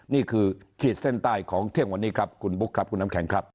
ขีดเส้นใต้ของเที่ยงวันนี้ครับคุณบุ๊คครับคุณน้ำแข็งครับ